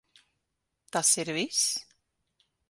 Tas ir viss?